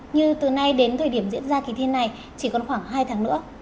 như từ nay đến thời điểm diễn ra kỳ thi này chỉ còn khoảng hai tháng nữa